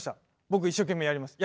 僕一生懸命やります。